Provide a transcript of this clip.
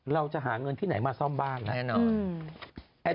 เราจะหาเงินที่ไหนมาซ่อมบ้าน